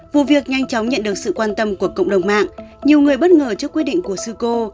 vụ việc nhanh chóng nhận được sự quan tâm của cộng đồng mạng nhiều người bất ngờ trước quyết định của sưco